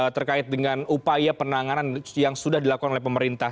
terkait dengan upaya penanganan yang sudah dilakukan oleh pemerintah